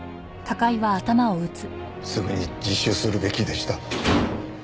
すぐに自首するべきでした。